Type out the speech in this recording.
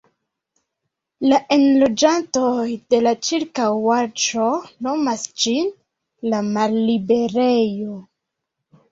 La enloĝantoj de la ĉirkaŭaĵo nomas ĝin "la malliberejo".